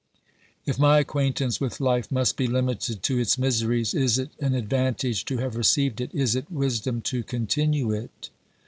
If my acquaintance with life must be limited to its miseries, is it an advantage to have received it, is it wisdom to continue it